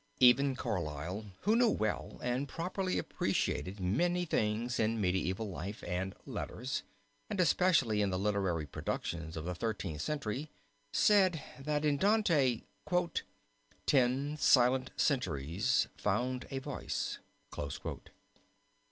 Even Carlyle who knew well and properly appreciated many things in medieval life and letters and especially in the literary productions of the Thirteenth Century said, that in Dante "ten silent centuries found a voice."